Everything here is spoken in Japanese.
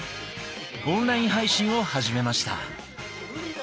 オンライン配信を始めました。